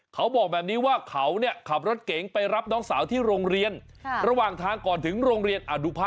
เขาบอกแบบนี้ว่าเขาเนี่ยขับรถเก๋งไปรับน้องสาวที่โรงเรียนค่ะ